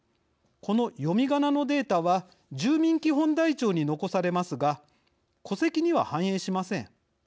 この読みがなのデータは住民基本台帳に残されますが戸籍には反映しません。